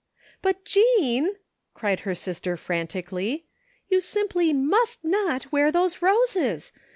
" But, Jean," cried her sister frantically, " yk>u simply must not wear those roses